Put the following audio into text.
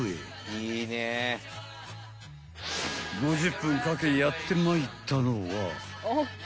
［５０分かけやってまいったのは］